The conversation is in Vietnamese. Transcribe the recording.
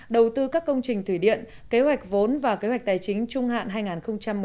đầu tư các công trình thủy điện kế hoạch vốn và kế hoạch tài chính trung hạn hai nghìn một mươi một hai nghìn hai mươi